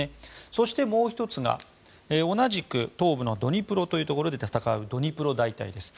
そしてもう１つが同じく東部のドニプロというところで戦うドニプロ大隊です。